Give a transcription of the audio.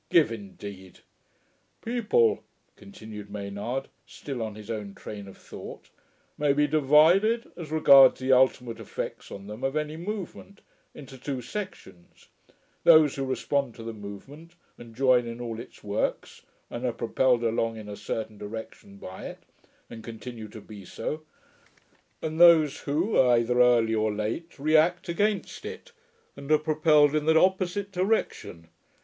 Give, indeed!' 'People,' continued Maynard, still on his own train of thought, 'may be divided, as regards the ultimate effects on them of any movement, into two sections those who respond to the movement and join in all its works and are propelled along in a certain direction by it and continue to be so; and those who, either early or late, react against it, and are propelled in the opposite direction.